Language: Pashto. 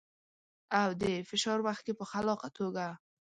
او د فشار وخت کې په خلاقه توګه.